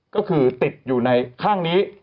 ก็คือติดอยู่ในข้างนี้